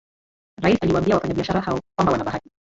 Rais aliwaambia wafanyabiashara hao kwamba wana bahati